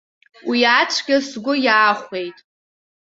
Уи цәгьа сгәы иаахәеит.